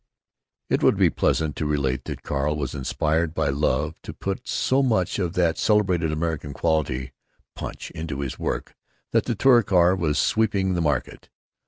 It would be pleasant to relate that Carl was inspired by love to put so much of that celebrated American quality "punch" into his work that the Touricar was sweeping the market.